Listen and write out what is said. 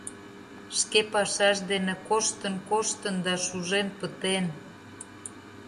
Шке пашаж дене коштын-коштын да шужен пытен.